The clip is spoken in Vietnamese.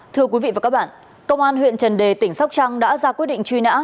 thưa quý vị và các bạn công an huyện trần đề tỉnh sóc trăng đã ra quyết định truy nã